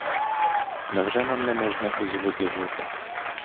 Невже нам не можна у згоді жити?